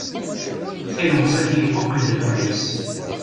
Tilemẓit yenquqel lebɣi-s.